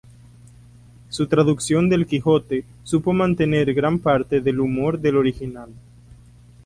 Su traducción del "Quijote" supo mantener gran parte del humor del original.